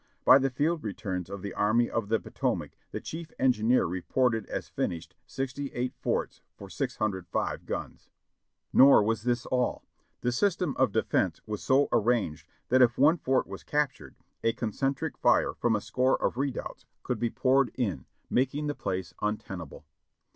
By the field returns of the Army of the Potomac the Chief Engineer reported as finished 68 forts for 605 guns. Nor was this all — the system of defense was so arranged that if one fort was captured, a concentric fire from a score of redoubts could be poured in, making the place vmtenable.